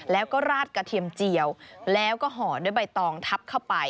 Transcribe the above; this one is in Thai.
แล้วก็ราดกระเทียมเจียวแล้วก็ห่อด้วยใบตองทับเข้าไป